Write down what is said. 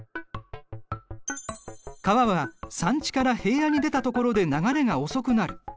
川は山地から平野に出たところで流れが遅くなる。